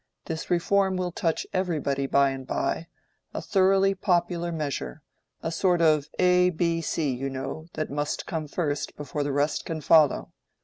This Reform will touch everybody by and by—a thoroughly popular measure—a sort of A, B, C, you know, that must come first before the rest can follow.